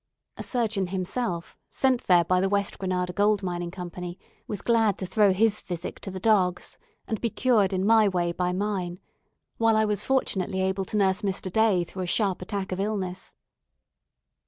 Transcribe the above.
A surgeon himself, sent there by the West Granada Gold mining Company, was glad to throw his physic to the dogs, and be cured in my way by mine; while I was fortunately able to nurse Mr. Day through a sharp attack of illness.